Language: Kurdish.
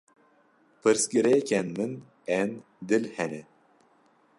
Pirsgirêkên min ên dil hene.